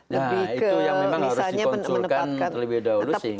nah itu yang memang harus dikonsulkan terlebih dahulu